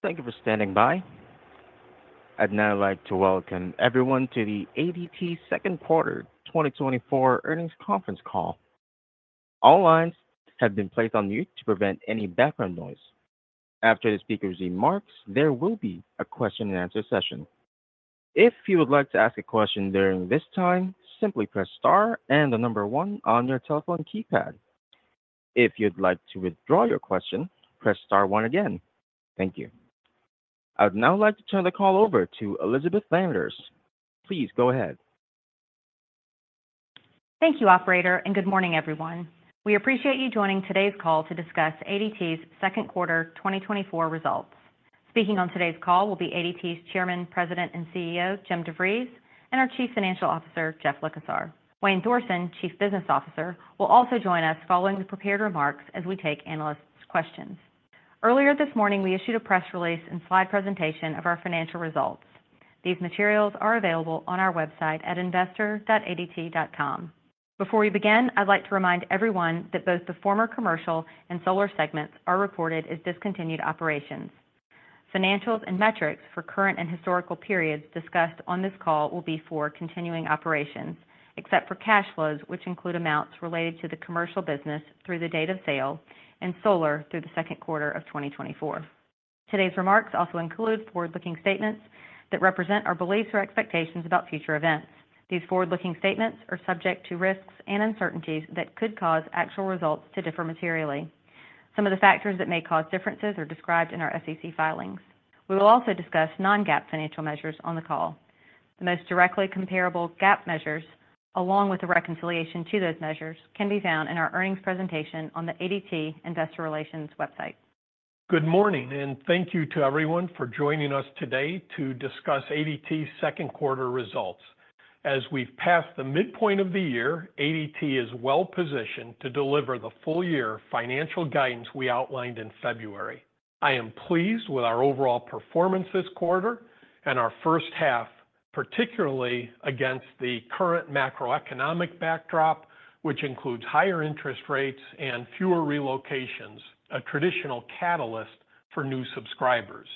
Thank you for standing by. I'd now like to welcome everyone to the ADT Second Quarter 2024 Earnings Conference Call. All lines have been placed on mute to prevent any background noise. After the speaker's remarks, there will be a question-and-answer session. If you would like to ask a question during this time, simply press Star and the number 1 on your telephone keypad. If you'd like to withdraw your question, press Star 1 again. Thank you. I'd now like to turn the call over to Elizabeth Landers. Please go ahead. Thank you, operator, and good morning, everyone. We appreciate you joining today's call to discuss ADT's second quarter 2024 results. Speaking on today's call will be ADT's Chairman, President, and CEO, Jim DeVries, and our Chief Financial Officer, Jeff Likosar. Wayne Thorsen, Chief Business Officer, will also join us following the prepared remarks as we take analysts' questions. Earlier this morning, we issued a press release and slide presentation of our financial results. These materials are available on our website at investor.adt.com. Before we begin, I'd like to remind everyone that both the former commercial and solar segments are reported as discontinued operations. Financials and metrics for current and historical periods discussed on this call will be for continuing operations, except for cash flows, which include amounts related to the commercial business through the date of sale and solar through the second quarter of 2024. Today's remarks also include forward-looking statements that represent our beliefs or expectations about future events. These forward-looking statements are subject to risks and uncertainties that could cause actual results to differ materially. Some of the factors that may cause differences are described in our SEC filings. We will also discuss non-GAAP financial measures on the call. The most directly comparable GAAP measures, along with the reconciliation to those measures, can be found in our earnings presentation on the ADT Investor Relations website. Good morning, and thank you to everyone for joining us today to discuss ADT's second quarter results. As we've passed the midpoint of the year, ADT is well positioned to deliver the full-year financial guidance we outlined in February. I am pleased with our overall performance this quarter and our first half, particularly against the current macroeconomic backdrop, which includes higher interest rates and fewer relocations, a traditional catalyst for new subscribers.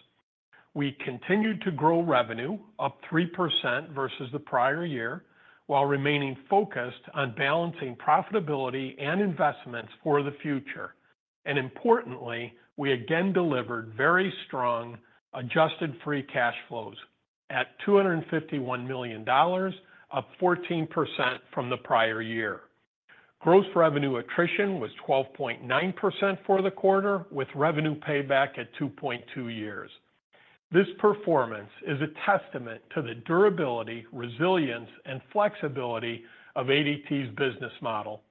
We continued to grow revenue, up 3% versus the prior year, while remaining focused on balancing profitability and investments for the future. And importantly, we again delivered very strong Adjusted Free Cash Flow at $251 million, up 14% from the prior year. Gross Revenue Attrition was 12.9% for the quarter, with revenue payback at 2.2 years. This performance is a testament to the durability, resilience, and flexibility of ADT's business model.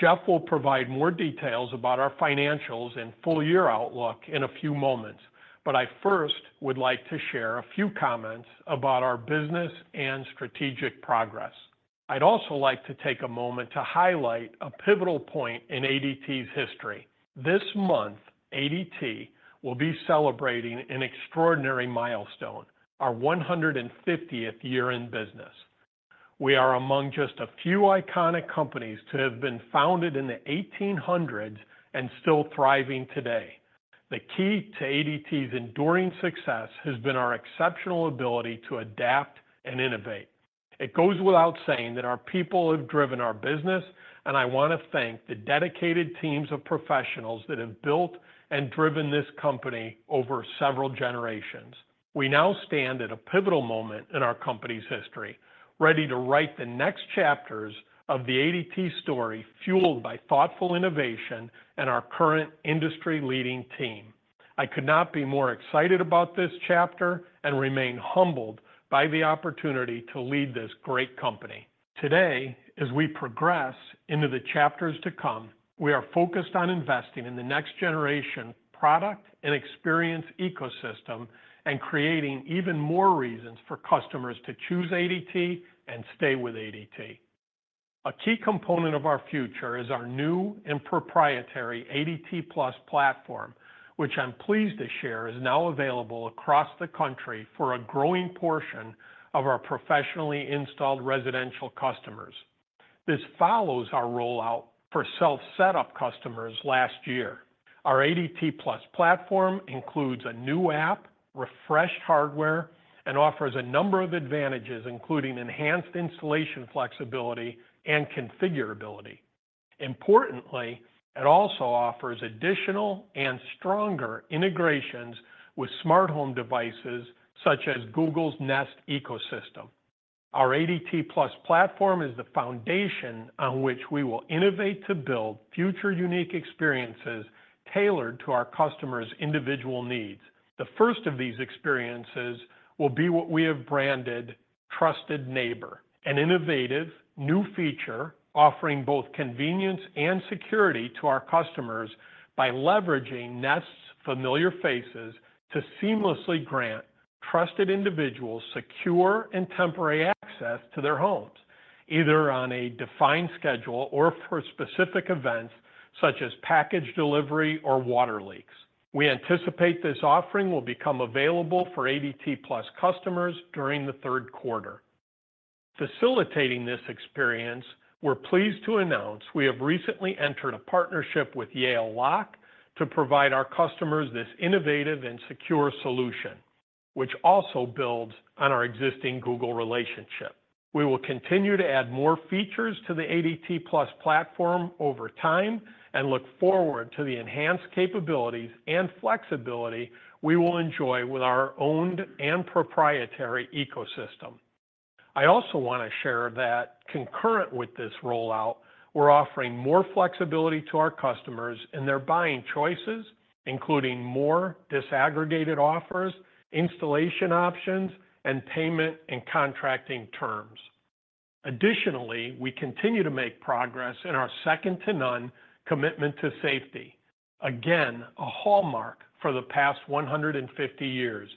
Jeff will provide more details about our financials and full-year outlook in a few moments, but I first would like to share a few comments about our business and strategic progress. I'd also like to take a moment to highlight a pivotal point in ADT's history. This month, ADT will be celebrating an extraordinary milestone, our 150th year in business. We are among just a few iconic companies to have been founded in the 1800s and still thriving today. The key to ADT's enduring success has been our exceptional ability to adapt and innovate. It goes without saying that our people have driven our business, and I want to thank the dedicated teams of professionals that have built and driven this company over several generations. We now stand at a pivotal moment in our company's history, ready to write the next chapters of the ADT story, fueled by thoughtful innovation and our current industry-leading team. I could not be more excited about this chapter and remain humbled by the opportunity to lead this great company. Today, as we progress into the chapters to come, we are focused on investing in the next generation product and experience ecosystem and creating even more reasons for customers to choose ADT and stay with ADT. A key component of our future is our new and proprietary ADT Plus platform, which I'm pleased to share is now available across the country for a growing portion of our professionally installed residential customers. This follows our rollout for self-setup customers last year. Our ADT Plus platform includes a new app, refreshed hardware, and offers a number of advantages, including enhanced installation, flexibility, and configurability. Importantly, it also offers additional and stronger integrations with smart home devices, such as Google's Nest ecosystem. Our ADT Plus platform is the foundation on which we will innovate to build future unique experiences tailored to our customers' individual needs. The first of these experiences will be what we have branded Trusted Neighbor, an innovative new feature offering both convenience and security to our customers by leveraging Nest's Familiar Faces to seamlessly grant trusted individuals secure and temporary access to their homes, either on a defined schedule or for specific events such as package delivery or water leaks. We anticipate this offering will become available for ADT Plus customers during the third quarter. Facilitating this experience, we're pleased to announce we have recently entered a partnership with Yale Lock to provide our customers this innovative and secure solution, which also builds on our existing Google relationship. We will continue to add more features to the ADT Plus platform over time and look forward to the enhanced capabilities and flexibility we will enjoy with our owned and proprietary ecosystem. I also want to share that concurrent with this rollout, we're offering more flexibility to our customers in their buying choices, including more disaggregated offers, installation options, and payment and contracting terms. Additionally, we continue to make progress in our second-to-none commitment to safety. Again, a hallmark for the past 150 years,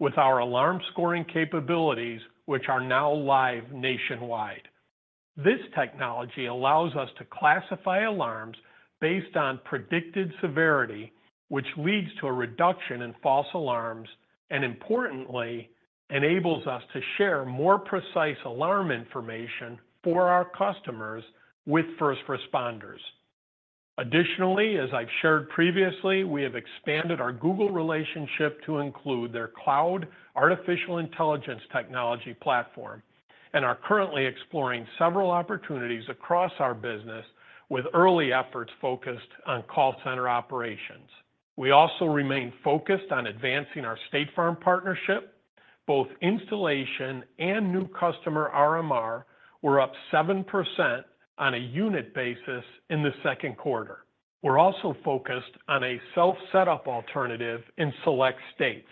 with our Alarm Scoring capabilities, which are now live nationwide. This technology allows us to classify alarms based on predicted severity, which leads to a reduction in false alarms, and importantly, enables us to share more precise alarm information for our customers with first responders. Additionally, as I've shared previously, we have expanded our Google relationship to include their cloud artificial intelligence technology platform, and are currently exploring several opportunities across our business with early efforts focused on call center operations. We also remain focused on advancing our State Farm partnership. Both installation and new customer RMR were up 7% on a unit basis in the second quarter. We're also focused on a self-setup alternative in select states.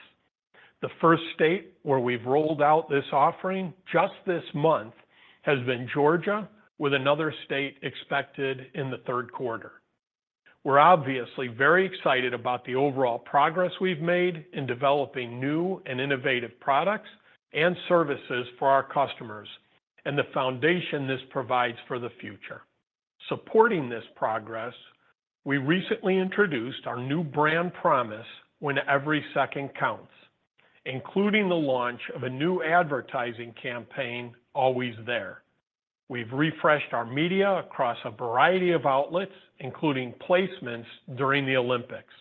The first state where we've rolled out this offering just this month has been Georgia, with another state expected in the third quarter. We're obviously very excited about the overall progress we've made in developing new and innovative products and services for our customers, and the foundation this provides for the future. Supporting this progress, we recently introduced our new brand promise: When every second counts, including the launch of a new advertising campaign, Always There. We've refreshed our media across a variety of outlets, including placements during the Olympics.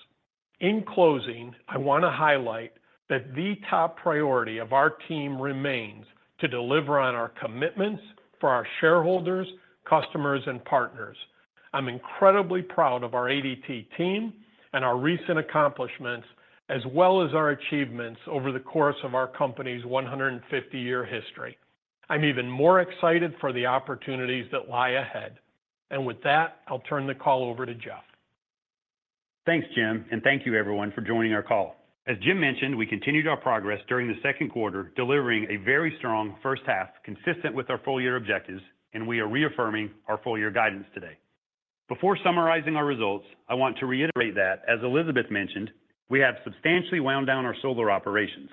In closing, I want to highlight that the top priority of our team remains to deliver on our commitments for our shareholders, customers, and partners. I'm incredibly proud of our ADT team and our recent accomplishments, as well as our achievements over the course of our company's 150-year history. I'm even more excited for the opportunities that lie ahead. With that, I'll turn the call over to Jeff. Thanks, Jim, and thank you everyone for joining our call. As Jim mentioned, we continued our progress during the second quarter, delivering a very strong first half, consistent with our full-year objectives, and we are reaffirming our full-year guidance today. Before summarizing our results, I want to reiterate that, as Elizabeth mentioned, we have substantially wound down our solar operations.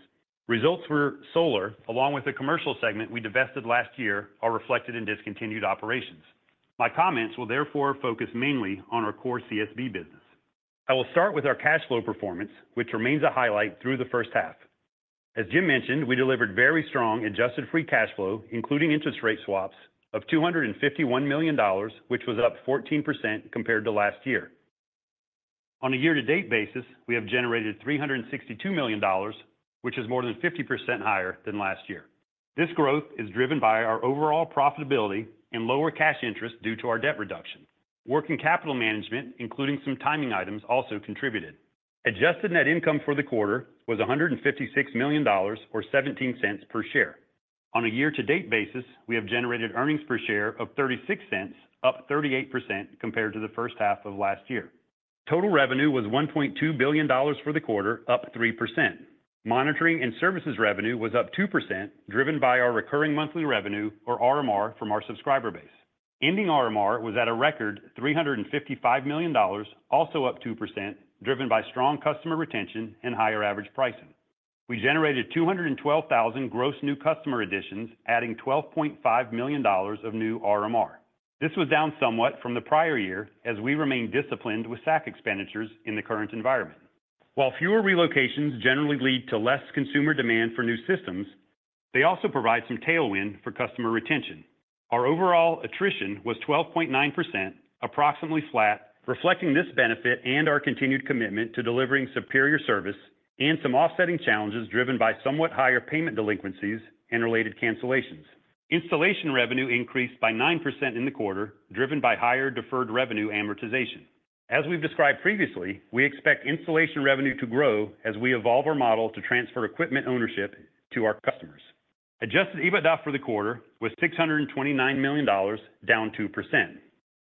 Results for solar, along with the commercial segment we divested last year, are reflected in discontinued operations. My comments will therefore focus mainly on our core CSV Business. I will start with our cash flow performance, which remains a highlight through the first half. As Jim mentioned, we delivered very strong Adjusted Free Cash Flow, including interest rate swaps of $251 million, which was up 14% compared to last year. On a year-to-date basis, we have generated $362 million, which is more than 50% higher than last year. This growth is driven by our overall profitability and lower cash interest due to our debt reduction. Working capital management, including some timing items, also contributed. Adjusted net income for the quarter was $156 million or $0.17 per share. On a year-to-date basis, we have generated earnings per share of $0.36, up 38% compared to the first half of last year. Total revenue was $1.2 billion for the quarter, up 3%. Monitoring and services revenue was up 2%, driven by our recurring monthly revenue, or RMR, from our subscriber base. Ending RMR was at a record $355 million, also up 2%, driven by strong customer retention and higher average pricing. We generated 212,000 gross new customer additions, adding $12.5 million of new RMR. This was down somewhat from the prior year as we remained disciplined with SAC expenditures in the current environment. While fewer relocations generally lead to less consumer demand for new systems, they also provide some tailwind for customer retention. Our overall attrition was 12.9%, approximately flat, reflecting this benefit and our continued commitment to delivering superior service and some offsetting challenges driven by somewhat higher payment delinquencies and related cancellations. Installation revenue increased by 9% in the quarter, driven by higher deferred revenue amortization. As we've described previously, we expect installation revenue to grow as we evolve our model to transfer equipment ownership to our customers. Adjusted EBITDA for the quarter was $629 million, down 2%.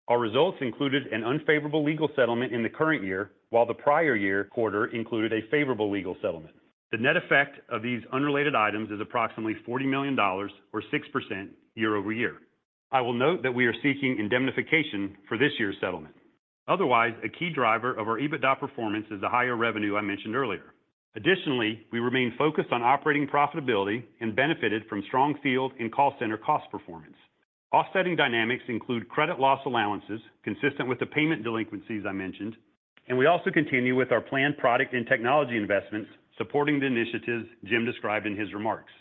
Our results included an unfavorable legal settlement in the current year, while the prior year quarter included a favorable legal settlement. The net effect of these unrelated items is approximately $40 million or 6% year-over-year. I will note that we are seeking indemnification for this year's settlement. Otherwise, a key driver of our EBITDA performance is the higher revenue I mentioned earlier. Additionally, we remain focused on operating profitability and benefited from strong field and call center cost performance. Offsetting dynamics include credit loss allowances, consistent with the payment delinquencies I mentioned. And we also continue with our planned product and technology investments, supporting the initiatives Jim described in his remarks.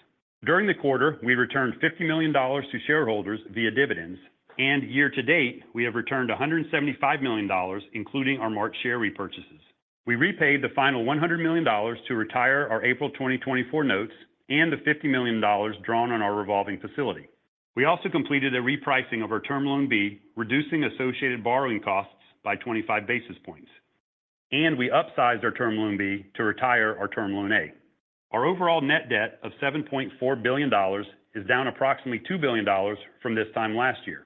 During the quarter, we returned $50 million to shareholders via dividends, and year to date, we have returned $175 million, including our March share repurchases. We repaid the final $100 million to retire our April 2024 notes and the $50 million drawn on our revolving facility. We also completed a repricing of our Term Loan B, reducing associated borrowing costs by 25 basis points, and we upsized our Term Loan B to retire our Term Loan A. Our overall net debt of $7.4 billion is down approximately $2 billion from this time last year.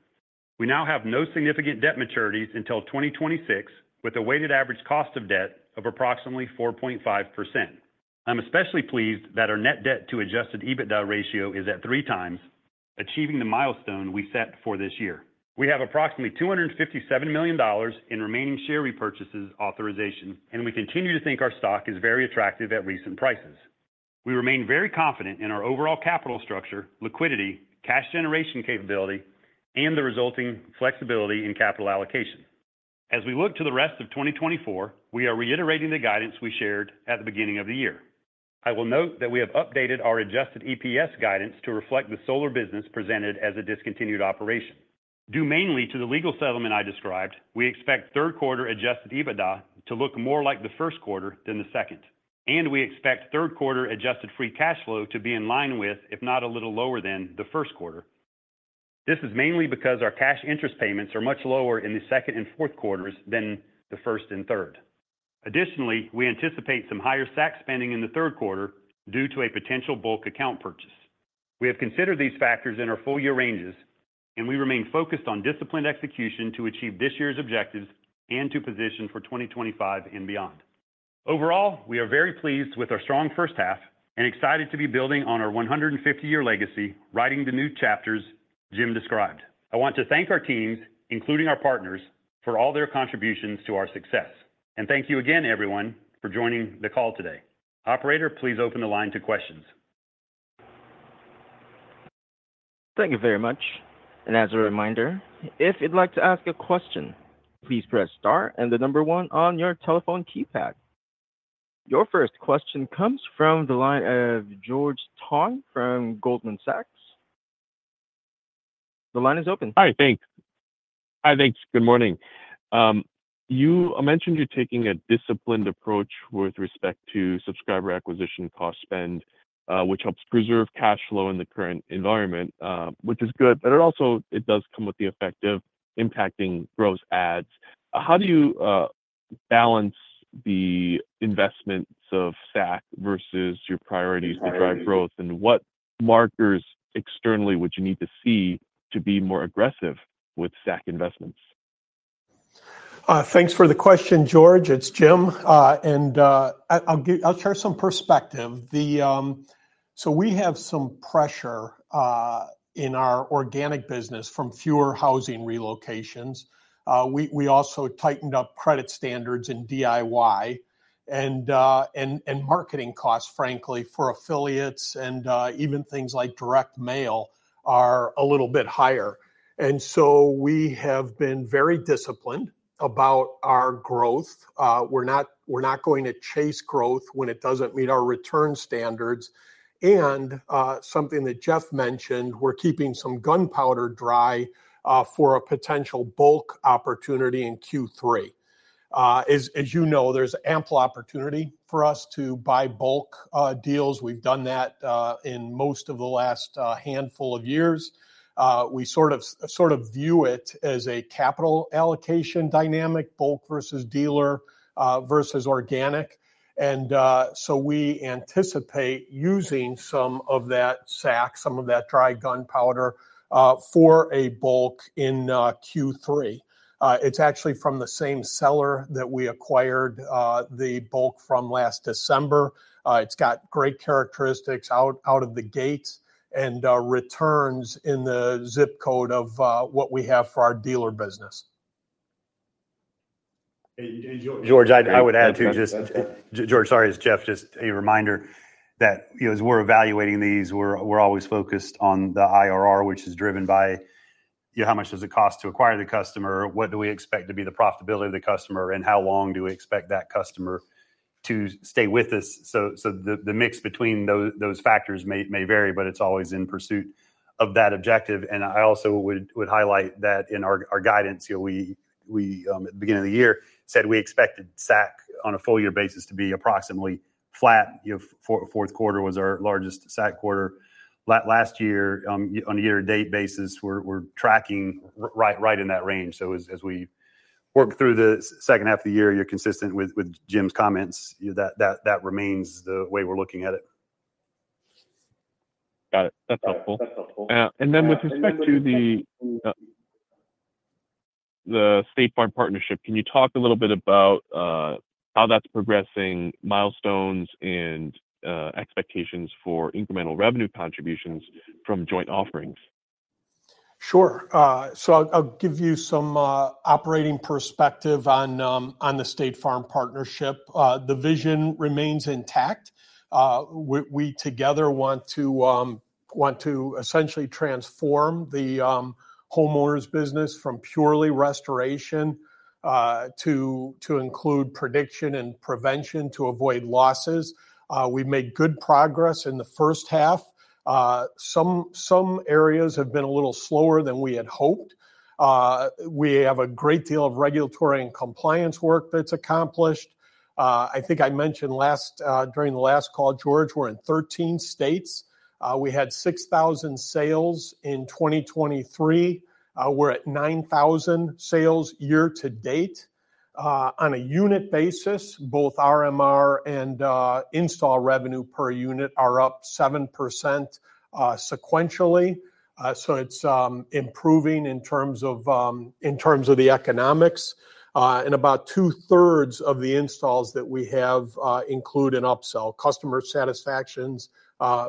We now have no significant debt maturities until 2026, with a weighted average cost of debt of approximately 4.5%. I'm especially pleased that our net debt to adjusted EBITDA ratio is at 3x, achieving the milestone we set for this year. We have approximately $257 million in remaining share repurchases authorization, and we continue to think our stock is very attractive at recent prices. We remain very confident in our overall capital structure, liquidity, cash generation capability, and the resulting flexibility in capital allocation. As we look to the rest of 2024, we are reiterating the guidance we shared at the beginning of the year. I will note that we have updated our Adjusted EPS guidance to reflect the solar business presented as a discontinued operation. Due mainly to the legal settlement I described, we expect third quarter Adjusted EBITDA to look more like the first quarter than the second, and we expect third quarter Adjusted Free Cash Flow to be in line with, if not a little lower than, the first quarter. This is mainly because our cash interest payments are much lower in the second and fourth quarters than the first and third. Additionally, we anticipate some higher SAC spending in the third quarter due to a potential bulk account purchase. We have considered these factors in our full year ranges, and we remain focused on disciplined execution to achieve this year's objectives and to position for 2025 and beyond. Overall, we are very pleased with our strong first half and excited to be building on our 150-year legacy, writing the new chapters Jim described. I want to thank our teams, including our partners, for all their contributions to our success. And thank you again, everyone, for joining the call today. Operator, please open the line to questions. Thank you very much. As a reminder, if you'd like to ask a question, please press star and the number one on your telephone keypad. Your first question comes from the line of George Tong from Goldman Sachs. The line is open. Hi, thanks. Hi, thanks. Good morning. You mentioned you're taking a disciplined approach with respect to subscriber acquisition cost spend, which helps preserve cash flow in the current environment, which is good, but it also, it does come with the effect of impacting gross adds. How do you balance the investments of SAC versus your priorities to drive growth? And what markers externally would you need to see to be more aggressive with SAC investments? Thanks for the question, George. It's Jim. I'll share some perspective. So we have some pressure in our organic business from fewer housing relocations. We also tightened up credit standards in DIY, and marketing costs, frankly, for affiliates and even things like direct mail are a little bit higher. So we have been very disciplined about our growth. We're not going to chase growth when it doesn't meet our return standards. And something that Jeff mentioned, we're keeping some gunpowder dry for a potential bulk opportunity in Q3. As you know, there's ample opportunity for us to buy bulk deals. We've done that in most of the last handful of years. We sort of view it as a capital allocation dynamic, bulk versus dealer versus organic. So we anticipate using some of that SAC, some of that dry gunpowder, for a bulk in Q3. It's actually from the same seller that we acquired the bulk from last December. It's got great characteristics out of the gates and returns in the zip code of what we have for our dealer business. George, I would add, too, just... George, sorry, it's Jeff. Just a reminder that, you know, as we're evaluating these, we're always focused on the IRR, which is driven by, how much does it cost to acquire the customer, what do we expect to be the profitability of the customer, and how long do we expect that customer to stay with us? So, the mix between those factors may vary, but it's always in pursuit of that objective. And I also would highlight that in our guidance, you know, we at the beginning of the year said we expected SAC on a full year basis to be approximately flat. You know, fourth quarter was our largest SAC quarter last year, on a year-to-date basis, we're tracking right in that range. So as we work through the second half of the year, you're consistent with Jim's comments, you know, that remains the way we're looking at it. Got it. That's helpful. And then with respect to the State Farm partnership, can you talk a little bit about how that's progressing, milestones, and expectations for incremental revenue contributions from joint offerings? Sure. So I'll, I'll give you some operating perspective on the State Farm partnership. The vision remains intact. We together want to want to essentially transform the homeowners business from purely restoration to include prediction and prevention to avoid losses. We've made good progress in the first half. Some areas have been a little slower than we had hoped. We have a great deal of regulatory and compliance work that's accomplished. I think I mentioned last during the last call, George, we're in 13 states. We had 6,000 sales in 2023. We're at 9,000 sales year to date. On a unit basis, both RMR and install revenue per unit are up 7%, sequentially. So it's improving in terms of in terms of the economics. And about two-thirds of the installs that we have include an upsell. Customer satisfaction's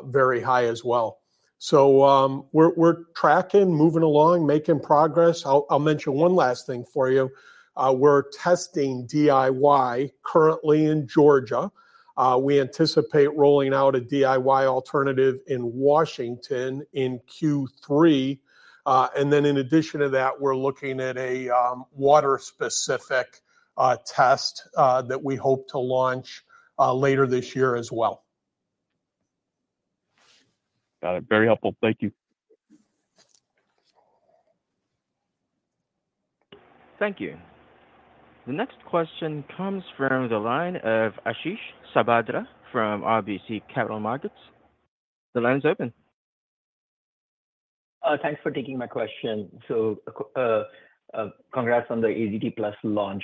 very high as well. So we're tracking, moving along, making progress. I'll mention one last thing for you. We're testing DIY currently in Georgia. We anticipate rolling out a DIY alternative in Washington in Q3. And then in addition to that, we're looking at a water-specific test that we hope to launch later this year as well. Got it. Very helpful. Thank you. Thank you. The next question comes from the line of Ashish Sabadra from RBC Capital Markets. The line is open. Thanks for taking my question. So, congrats on the ADT Plus launch.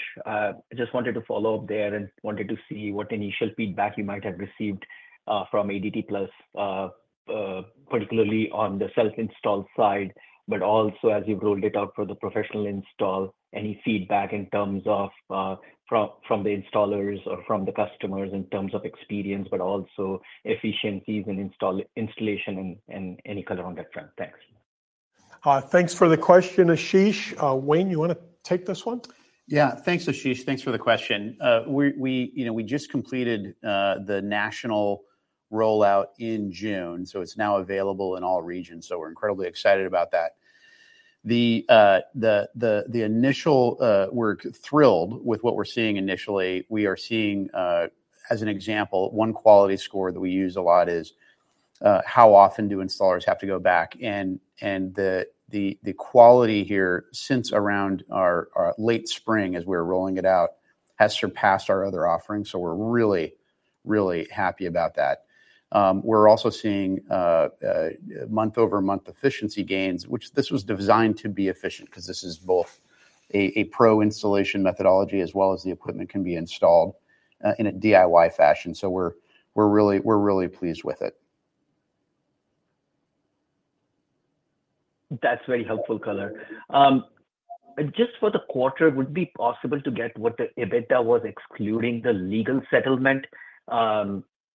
Just wanted to follow up there and wanted to see what initial feedback you might have received from ADT Plus, particularly on the self-install side, but also as you've rolled it out for the professional install, any feedback in terms of from the installers or from the customers in terms of experience, but also efficiencies and installation and any color on that front? Thanks. Thanks for the question, Ashish. Wayne, you want to take this one? Yeah. Thanks, Ashish. Thanks for the question. We, you know, we just completed the national rollout in June, so it's now available in all regions. So we're incredibly excited about that. We're thrilled with what we're seeing initially. We are seeing, as an example, one quality score that we use a lot is, how often do installers have to go back? And the quality here since around our late spring, as we're rolling it out, has surpassed our other offerings, so we're really, really happy about that. We're also seeing month-over-month efficiency gains, which this was designed to be efficient, 'cause this is both a pro installation methodology, as well as the equipment can be installed in a DIY fashion. So we're really, really pleased with it. That's very helpful color. Just for the quarter, would it be possible to get what the EBITDA was, excluding the legal settlement?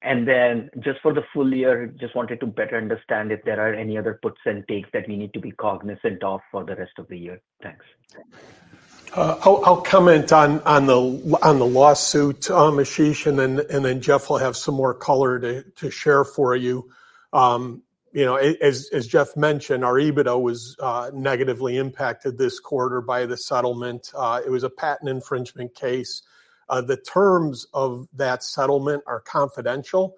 And then just for the full year, just wanted to better understand if there are any other puts and takes that we need to be cognizant of for the rest of the year. Thanks. I'll comment on the lawsuit, Ashish, and then Jeff will have some more color to share for you. You know, as Jeff mentioned, our EBITDA was negatively impacted this quarter by the settlement. It was a patent infringement case. The terms of that settlement are confidential,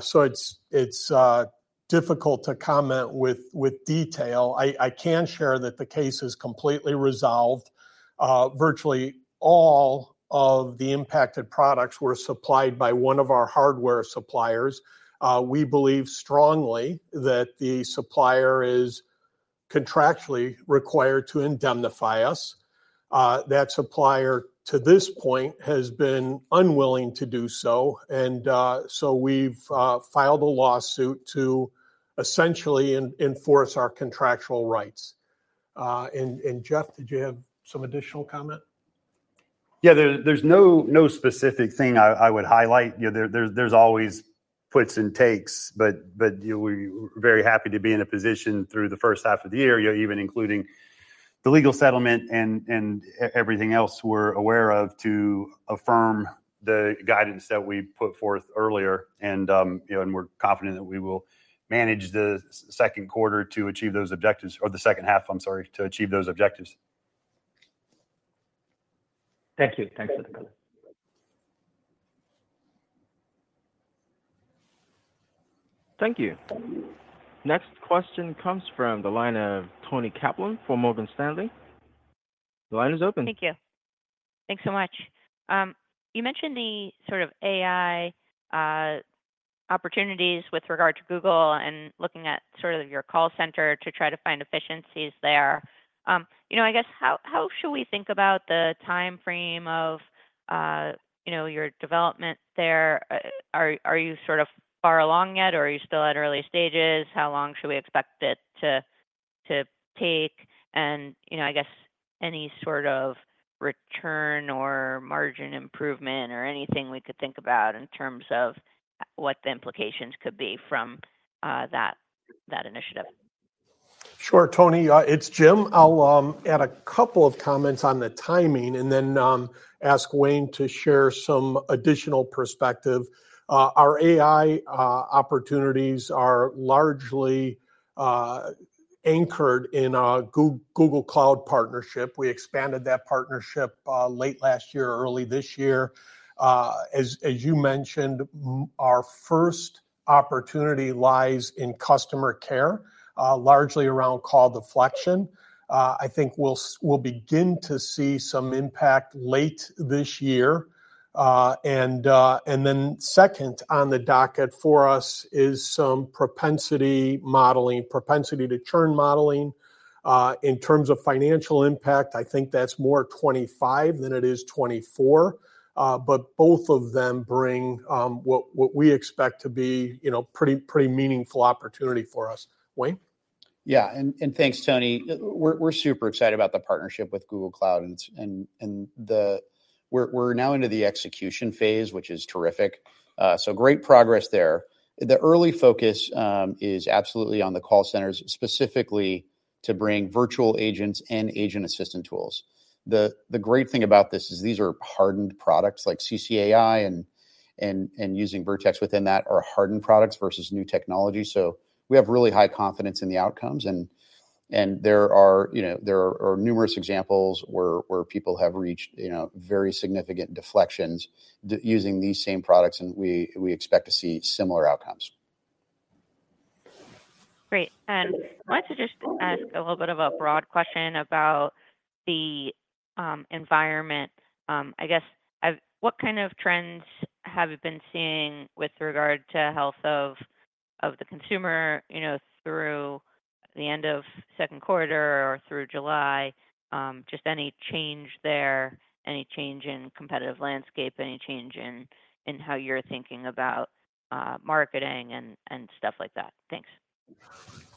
so it's difficult to comment with detail. I can share that the case is completely resolved. Virtually all of the impacted products were supplied by one of our hardware suppliers. We believe strongly that the supplier is contractually required to indemnify us. That supplier, to this point, has been unwilling to do so, and so we've filed a lawsuit to essentially enforce our contractual rights. And, Jeff, did you have some additional comment? Yeah. There's no specific thing I would highlight. You know, there's always puts and takes, but, you know, we're very happy to be in a position through the first half of the year, you know, even including the legal settlement and everything else we're aware of, to affirm the guidance that we put forth earlier. And, you know, we're confident that we will manage the second quarter to achieve those objectives... or the second half, I'm sorry, to achieve those objectives. Thank you. Thanks for the call. Thank you. Next question comes from the line of Toni Kaplan from Morgan Stanley. The line is open. Thank you. Thanks so much. You mentioned the sort of AI opportunities with regard to Google and looking at sort of your call center to try to find efficiencies there. You know, I guess, how should we think about the timeframe of, you know, your development there? Are you sort of far along yet, or are you still at early stages? How long should we expect it to take? And, you know, I guess any sort of return or margin improvement or anything we could think about in terms of, what the implications could be from, that initiative? Sure, Toni, it's Jim. I'll add a couple of comments on the timing and then ask Wayne to share some additional perspective. Our AI opportunities are largely anchored in a Google Cloud partnership. We expanded that partnership late last year or early this year. As you mentioned, our first opportunity lies in customer care largely around call deflection. I think we'll begin to see some impact late this year. And then second on the docket for us is some propensity modeling, propensity to churn modeling. In terms of financial impact, I think that's more 2025 than it is 2024. But both of them bring what we expect to be, you know, pretty meaningful opportunity for us. Wayne? Yeah, and thanks, Toni. We're super excited about the partnership with Google Cloud and we're now into the execution phase, which is terrific. So great progress there. The early focus is absolutely on the call centers, specifically to bring virtual agents and agent assistant tools. The great thing about this is these are hardened products like CCAI and using Vertex within that are hardened products versus new technology. So we have really high confidence in the outcomes, and there are, you know, numerous examples where people have reached, you know, very significant deflections using these same products, and we expect to see similar outcomes. Great. And I wanted to just ask a little bit of a broad question about the environment. I guess, what kind of trends have you been seeing with regard to health of the consumer, you know, through the end of second quarter or through July? Just any change there, any change in competitive landscape, any change in how you're thinking about marketing and stuff like that? Thanks.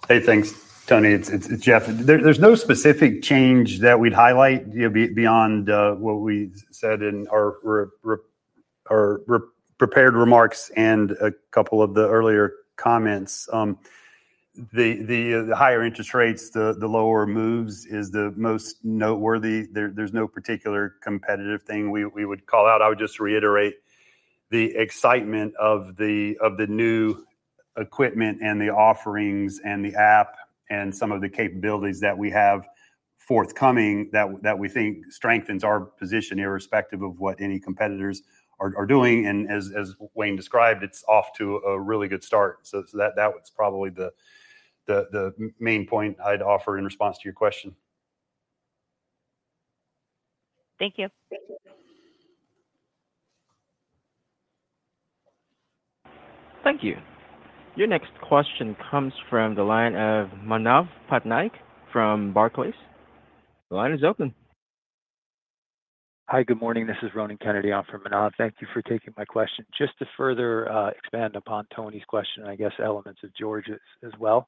Hey, thanks, Toni. It's Jeff. There's no specific change that we'd highlight, you know, beyond what we said in our prepared remarks and a couple of the earlier comments. The higher interest rates, the lower moves is the most noteworthy. There's no particular competitive thing we would call out. I would just reiterate the excitement of the new equipment and the offerings and the app, and some of the capabilities that we have forthcoming, that we think strengthens our position, irrespective of what any competitors are doing. And as Wayne described, it's off to a really good start. So that was probably the main point I'd offer in response to your question. Thank you. Thank you. Your next question comes from the line of Manav Patnaik from Barclays. The line is open. Hi, good morning. This is Ronan Kennedy on for Manav. Thank you for taking my question. Just to further, expand upon Toni's question, and I guess elements of George's as well.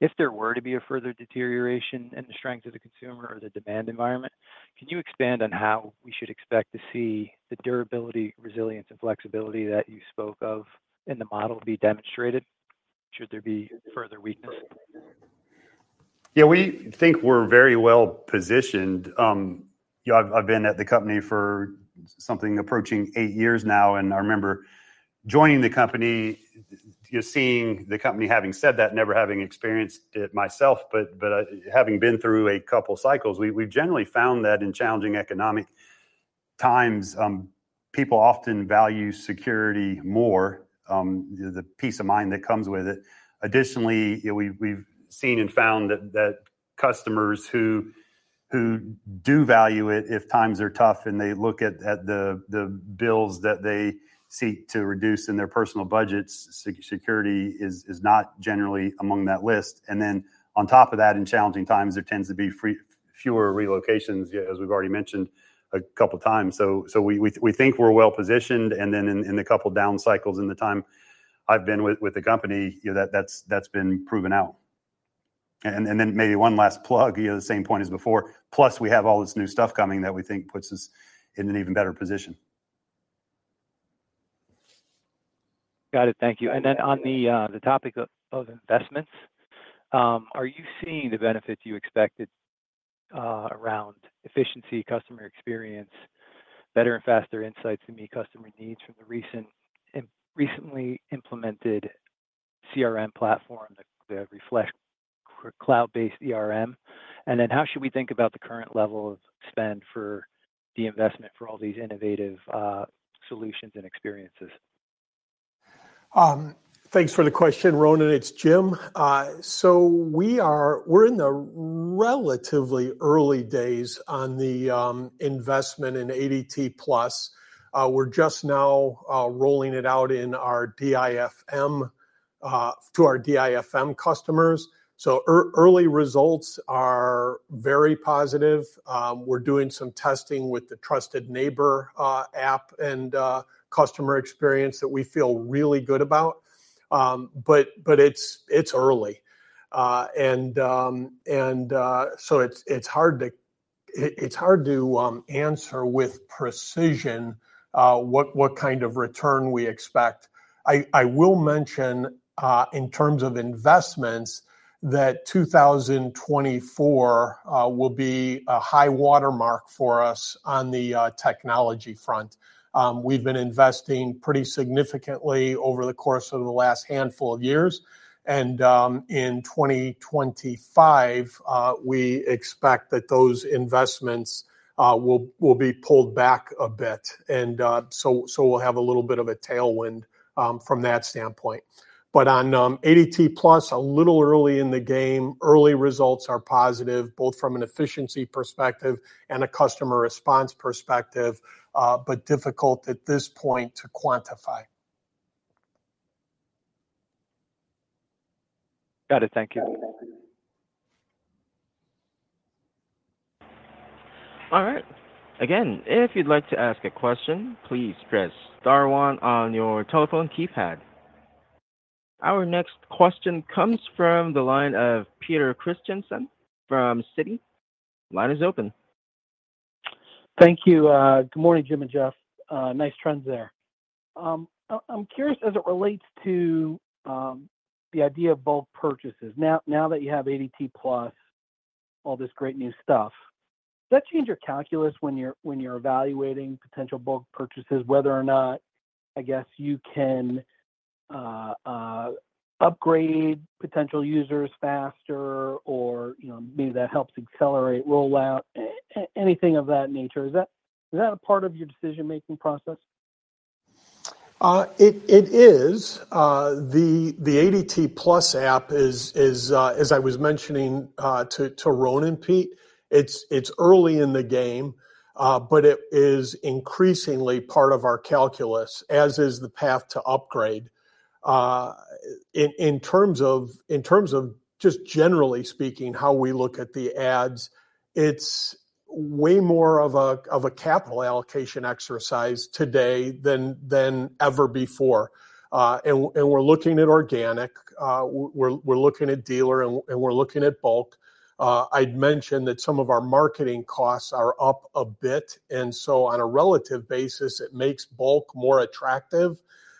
If there were to be a further deterioration in the strength of the consumer or the demand environment, can you expand on how we should expect to see the durability, resilience, and flexibility that you spoke of in the model be demonstrated, should there be further weakness? Yeah, we think we're very well positioned. You know, I've been at the company for something approaching eight years now, and I remember joining the company, you know, seeing the company having said that, never having experienced it myself, but, having been through a couple of cycles. We, we've generally found that in challenging economic times, people often value security more, the peace of mind that comes with it. Additionally, you know, we've, we've seen and found that, that customers who, who do value it, if times are tough and they look at, at the, the bills that they seek to reduce in their personal budgets, security is, is not generally among that list. And then on top of that, in challenging times, there tends to be fewer relocations, as we've already mentioned a couple times. So we think we're well positioned, and then in the couple down cycles in the time I've been with the company, you know, that's been proven out. And then maybe one last plug, you know, the same point as before, plus, we have all this new stuff coming that we think puts us in an even better position. Got it. Thank you. And then on the topic of investments, are you seeing the benefits you expected, around efficiency, customer experience, better and faster insights to meet customer needs from the recently implemented CRM platform, the Reflect cloud-based CRM? And then how should we think about the current level of spend for the investment for all these innovative, solutions and experiences? Thanks for the question, Ronan. It's Jim. So we're in the relatively early days on the investment in ADT Plus. We're just now rolling it out in our DIFM to our DIFM customers, so early results are very positive. We're doing some testing with the Trusted Neighbor app and customer experience that we feel really good about. But it's early. And so it's hard to answer with precision what kind of return we expect. I will mention in terms of investments that 2024 will be a high watermark for us on the technology front. We've been investing pretty significantly over the course of the last handful of years. In 2025, we expect that those investments will be pulled back a bit. So we'll have a little bit of a tailwind from that standpoint. But on ADT Plus, a little early in the game, early results are positive, both from an efficiency perspective and a customer response perspective, but difficult at this point to quantify. Got it. Thank you. All right. Again, if you'd like to ask a question, please press star one on your telephone keypad. Our next question comes from the line of Peter Christiansen from Citi. Line is open. Thank you. Good morning, Jim and Jeff. Nice trends there. I'm curious, as it relates to the idea of bulk purchases. Now that you have ADT Plus, all this great new stuff, does that change your calculus when you're evaluating potential bulk purchases? Whether or not, I guess you can upgrade potential users faster or, you know, maybe that helps accelerate rollout, anything of that nature. Is that a part of your decision-making process? It is. The ADT Plus app is, as I was mentioning to Ronan, Pete, it's early in the game, but it is increasingly part of our calculus, as is the path to upgrade. In terms of just generally speaking, how we look at the acqs, it's way more of a capital allocation exercise today than ever before. And we're looking at organic, we're looking at dealer, and we're looking at bulk. I'd mentioned that some of our marketing costs are up a bit, and so on a relative basis, it makes bulk more attractive.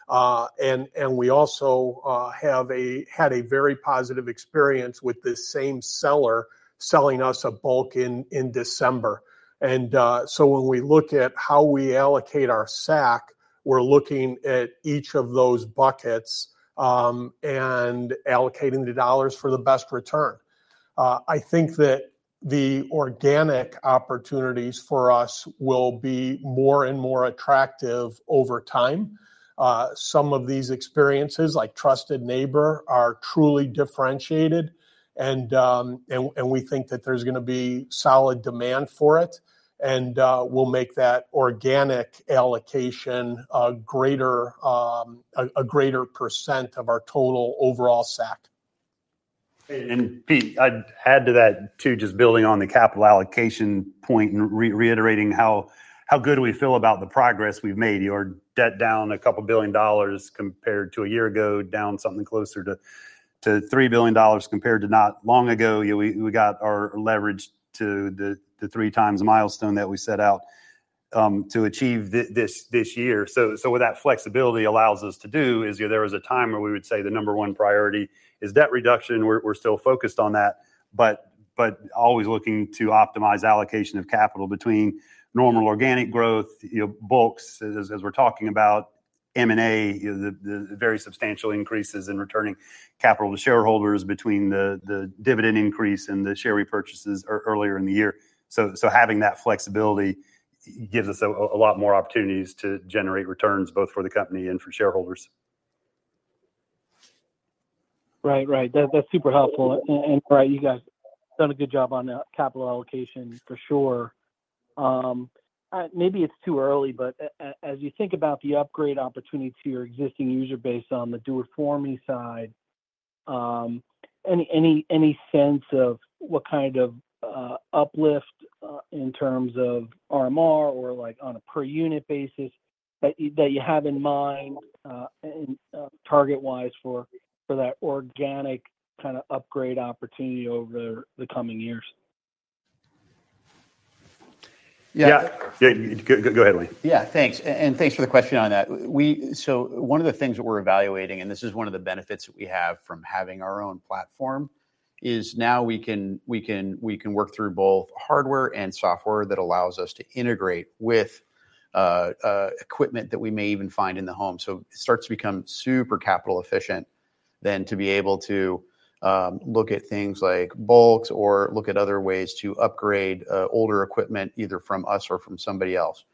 And we also had a very positive experience with the same seller selling us a bulk in December. So when we look at how we allocate our SAC, we're looking at each of those buckets, and allocating the dollars for the best return. I think that the organic opportunities for us will be more and more attractive over time. Some of these experiences, like Trusted Neighbor, are truly differentiated, and we think that there's gonna be solid demand for it, and we'll make that organic allocation a greater percent of our total overall SAC. Pete, I'd add to that, too, just building on the capital allocation point and reiterating how good we feel about the progress we've made. Your debt down $2 billion compared to a year ago, down something closer to $3 billion compared to not long ago. You know, we got our leverage to the 3 times milestone that we set out to achieve this year. So what that flexibility allows us to do is, you know, there was a time where we would say the number one priority is debt reduction. We're still focused on that, but always looking to optimize allocation of capital between normal organic growth, you know, bulks, as we're talking about, M&A, the very substantial increases in returning capital to shareholders between the dividend increase and the share repurchases earlier in the year. So having that flexibility gives us a lot more opportunities to generate returns, both for the company and for shareholders. Right. Right. That's, that's super helpful, and right, you guys done a good job on the capital allocation, for sure. Maybe it's too early, but as you think about the upgrade opportunity to your existing user base on the do it for me side, any sense of what kind of uplift in terms of RMR or, like, on a per unit basis that you, that you have in mind, and target-wise for that organic kind of upgrade opportunity over the coming years? Yeah. Yeah. Go ahead, Wayne. Yeah, thanks. And thanks for the question on that. We. So one of the things that we're evaluating, and this is one of the benefits we have from having our own platform, is now we can work through both hardware and software that allows us to integrate with equipment that we may even find in the home. So it starts to become super capital efficient than to be able to look at things like bulks or look at other ways to upgrade older equipment, either from us or from somebody else.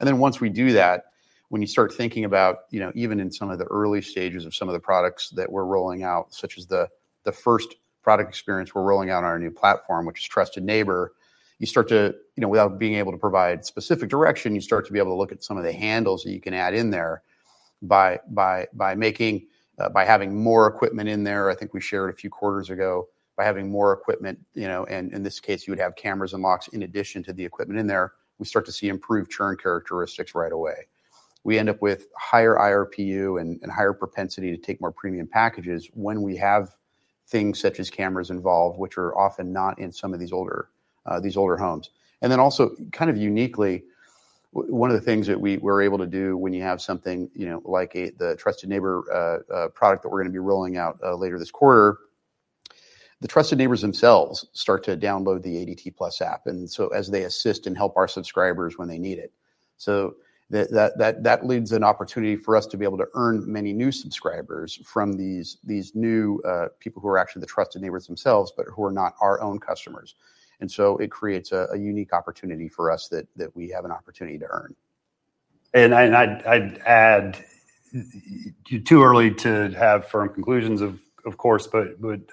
Then once we do that, when you start thinking about, you know, even in some of the early stages of some of the products that we're rolling out, such as the first product experience we're rolling out on our new platform, which is Trusted Neighbor, you start to, you know, without being able to provide specific direction, you start to be able to look at some of the handles that you can add in there by having more equipment in there. I think we shared a few quarters ago, by having more equipment, you know, and in this case, you would have cameras and locks in addition to the equipment in there, we start to see improved churn characteristics right away. We end up with higher IRPU and higher propensity to take more premium packages when we have things such as cameras involved, which are often not in some of these older homes. And then also, kind of uniquely, one of the things that we're able to do when you have something, you know, like the Trusted Neighbor product that we're gonna be rolling out later this quarter, the Trusted Neighbors themselves start to download the ADT Plus app, and so as they assist and help our subscribers when they need it. So that leads to an opportunity for us to be able to earn many new subscribers from these new people who are actually the Trusted Neighbors themselves, but who are not our own customers. And so it creates a unique opportunity for us that we have an opportunity to earn. And I'd add, it's too early to have firm conclusions, of course, but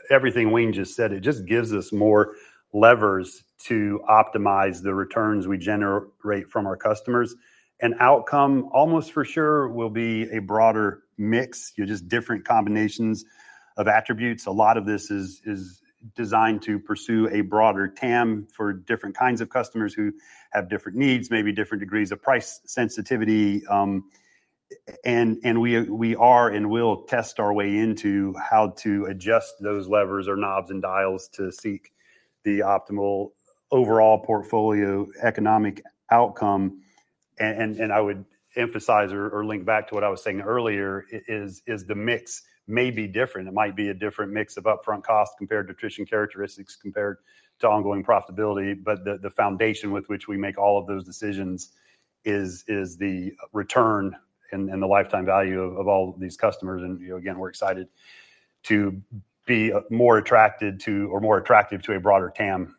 everything Wayne just said just gives us more levers to optimize the returns we generate from our customers. An outcome, almost for sure, will be a broader mix, you know, just different combinations of attributes. A lot of this is designed to pursue a broader TAM for different kinds of customers who have different needs, maybe different degrees of price sensitivity. And we are and will test our way into how to adjust those levers or knobs and dials to seek the optimal overall portfolio economic outcome. And I would emphasize or link back to what I was saying earlier, is the mix may be different. It might be a different mix of upfront costs compared to attrition characteristics, compared to ongoing profitability, but the foundation with which we make all of those decisions is the return and the lifetime value of all these customers. And, you know, again, we're excited to be more attracted to or more attractive to a broader TAM.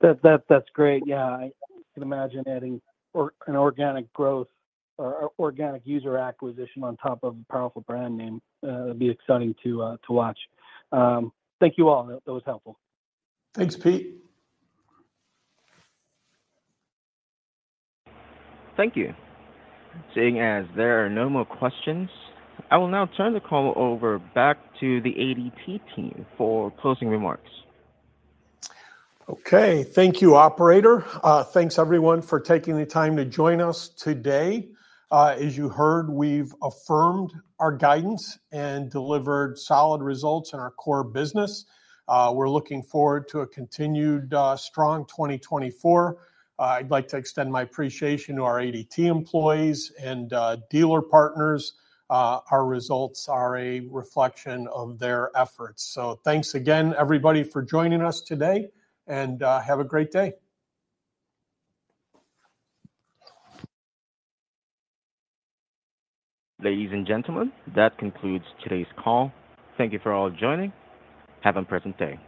That, that's great. Yeah, I can imagine adding an organic growth or organic user acquisition on top of a powerful brand name. It'll be exciting to watch. Thank you, all. That was helpful. Thanks, Pete. Thank you. Seeing as there are no more questions, I will now turn the call over back to the ADT team for closing remarks. Okay. Thank you, operator. Thanks everyone for taking the time to join us today. As you heard, we've affirmed our guidance and delivered solid results in our core business. We're looking forward to a continued, strong 2024. I'd like to extend my appreciation to our ADT employees and, dealer partners. Our results are a reflection of their efforts. So thanks again, everybody, for joining us today, and, have a great day. Ladies and gentlemen, that concludes today's call. Thank you for all joining. Have a pleasant day.